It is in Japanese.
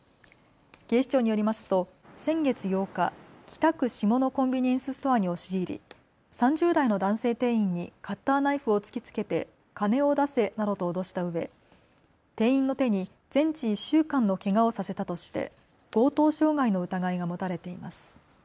警視庁によりますと先月８日、北区志茂のコンビニエンスストアに押し入り３０代の男性店員にカッターナイフを突きつけて金を出せなどと脅したうえ、店員の手に全治１週間のけがをさせたとして強盗傷害の疑いが持たれています。